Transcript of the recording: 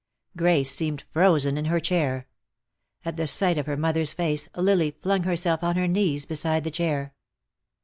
Grace seemed frozen in her chair. At the sight of her mother's face Lily flung herself on her knees beside the chair.